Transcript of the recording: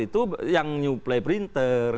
itu yang newplay printer